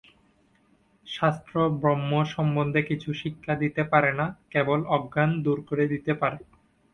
শাস্ত্র ব্রহ্ম-সম্বন্ধে কিছু শিক্ষা দিতে পারে না, কেবল অজ্ঞান দূর করে দিতে পারে।